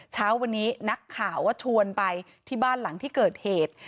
เช้าวันนี้นักข่าวก็ชวนไปที่บ้านหลังที่เกิดเหตุ